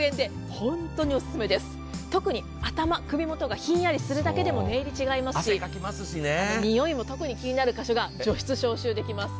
特に頭、首元がひんやりするだけでもだいぶ違いますし、臭いも特に気になる箇所が除湿、消臭できます。